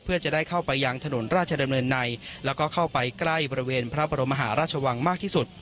เพื่อจะได้เข้าไปยังถนนราชดำเนินในแล้วก็เข้าไปใกล้บริเวณพระบรมหาราชวังมากที่สุด